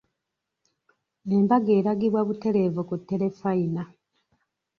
Embaga eragibwa butereevu ku Terefayina.